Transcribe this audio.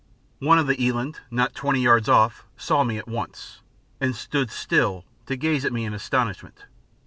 One of the eland, not twenty yards off, saw me at once, and stood still to gaze at me in astonishment.